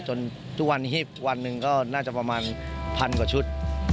จนทุกวันนี้วันหนึ่งก็น่าจะประมาณพันกว่าชุด